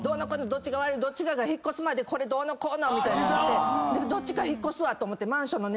どっちかが引っ越すまでこれどうのこうのみたいになってどっちか引っ越すわと思って。